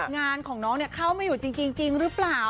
งานของน้องเข้าไม่อยู่จริงหรือเปล่า